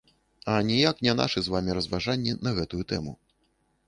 А ніяк не нашы з вамі разважанні на гэтую тэму.